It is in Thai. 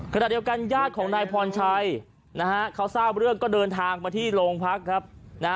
ขนาดเดียวกันญาติของนายพรชัยเมืองไปเขาเป็นเดินทางมาที่โรงพักษณ์